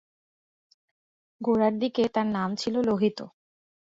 গোড়ার দিকে তার নাম ছিল লোহিত।